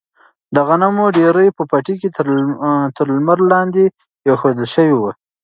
د غنمو ډیرۍ په پټي کې تر لمر لاندې ایښودل شوې وه.